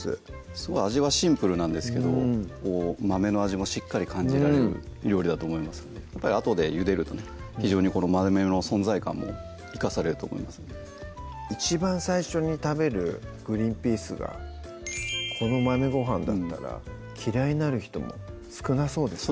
すごい味はシンプルなんですけど豆の味もしっかり感じられる料理だと思いますのでやっぱりあとでゆでるとね非常にこの豆の存在感も生かされると思いますので一番最初に食べるグリンピースがこの「豆ご飯」だったら嫌いになる人も少なそうですね